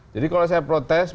jadi kalau saya protes